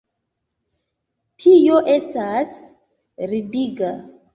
Tio estas ridiga.